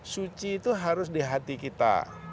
suci itu harus di hati kita